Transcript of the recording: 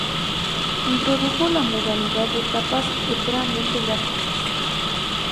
Introdujo la modalidad de tapas enteramente gráficas.